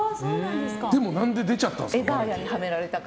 でも何で出ちゃったんですか。